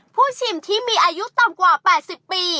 ผู้ชิมที่มีอายุต่อ๘๐ปี